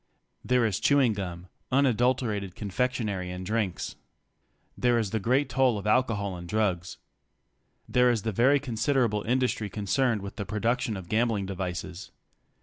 There is chewing gum, adulterated confectionery and drinks. There is the great toll of alcohol and drugs. There is the very considerable industry concerned with the production of gambling devices.